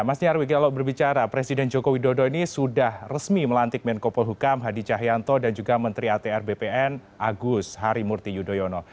mas nyarwi kalau berbicara presiden joko widodo ini sudah resmi melantik menko polhukam hadi cahyanto dan juga menteri atr bpn agus harimurti yudhoyono